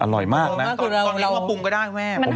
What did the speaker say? อร่อยมากนะตอนนี้มาปรุงก็ได้คุณแม่